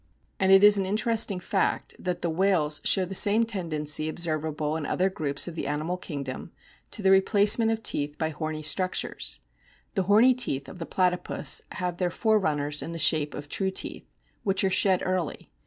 And it is an interesting fact that the whales show the same tendency observable in other groups of the animal kingdom to the replace ment of teeth by horny structures. The horny teeth of the Platypus have their forerunners in the shape of true teeth, which are shed early.